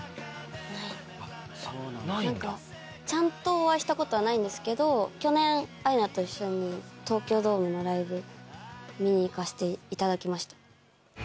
何かちゃんとお会いしたことはないんですけど去年アイナと一緒に東京ドームのライブ見に行かせていただきました。